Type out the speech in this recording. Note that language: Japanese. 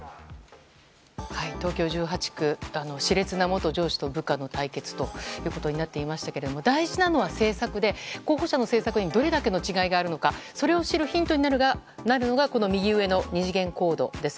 東京１８区熾烈な元上司と部下の対決になっていますが大事なのは政策で候補者の政策にどれだけの違いがあるのかそれを知るヒントになるのがこの右上の二次元コードです。